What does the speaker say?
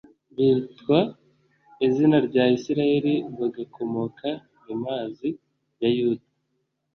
bitwa izina rya isirayeli bagakomoka mu mazi ya yuda